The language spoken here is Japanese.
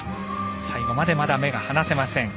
最後までまだ目が離せません。